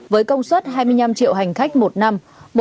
với công suất hai mươi năm triệu hành khách một năm